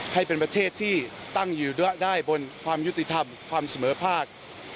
ให้เป็นประเทศที่ตั้งอยู่ด้วยได้บนความยุติธรรมความเสมอภาค